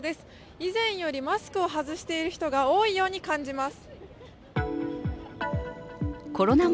以前よりマスクを外している人が多いように感じます。